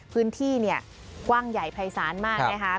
พื้นที่กว้างใหญ่พัยสานมาก